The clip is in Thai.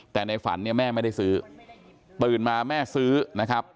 แต่ในฝันเนี่ยแม่ไม่ได้ซื้อตื่นมาแม่ซื้อนะครับ